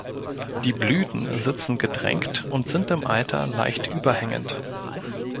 Die Blüten sitzen gedrängt und sind im Alter leicht überhängend.